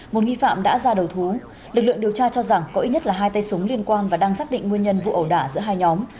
một nghi phạm đã ra đầu thú lực lượng điều tra cho rằng có ít nhất là hai tay súng liên quan và đang xác định nguyên nhân vụ ẩu đả giữa hai nhóm